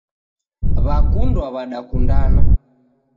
W'akundwa w'adakundana.